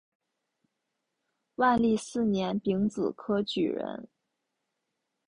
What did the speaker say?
万历四年丙子科举人。